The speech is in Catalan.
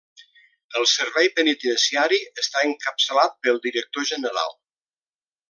El Servei Penitenciari està encapçalat pel director general.